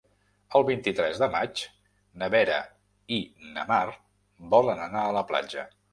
El vint-i-tres de maig na Vera i na Mar volen anar a la platja.